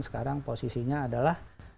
sekarang posisinya adalah